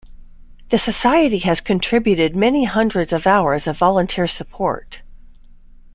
The Society has contributed many hundreds of hours of volunteer support.